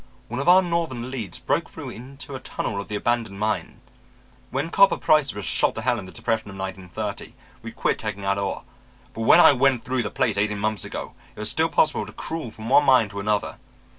One of our northern leads broke through into a tunnel of the abandoned mine. When copper prices were shot to hell in the depression of 1930 we quit taking out ore; but when I went through the place eighteen months ago it was still possible to crawl from one mine to another.